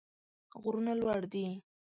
غرونه لوړ دي.